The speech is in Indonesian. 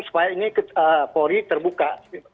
supaya ini polri terbuka